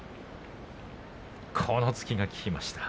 この突きが効きました。